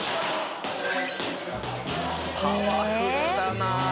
パワフルだな。